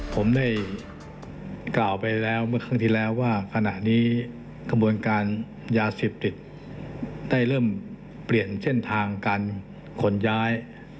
ผมได้กล่าวไปแล้วเมื่อครั้งที่แล้วว่าขณะนี้กระบวนการยาเสพติดได้เริ่มเปลี่ยนเส้นทางการขนย้าย